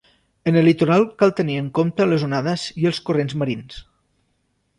En el litoral cal tenir en compte les onades i els corrents marins.